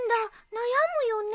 悩むよね。